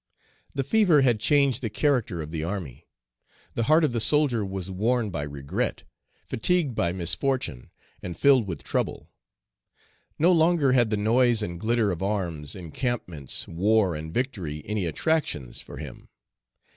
The fever had changed the character of the army. The heart of the soldier was worn by regret, fatigued by misfortune, and filled with trouble; no longer had the noise and glitter of arms, encampments, war, and victory any attractions for him.